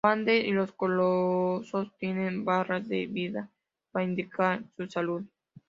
Wander y los colosos tienen barras de vida para indicar su salud.